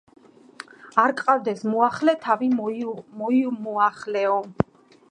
არ გყავდეს მოახლე თავი მოიმოახლეო